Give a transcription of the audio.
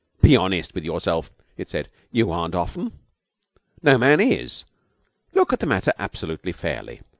'Be honest with yourself,' it said. 'You aren't often. No man is. Look at the matter absolutely fairly.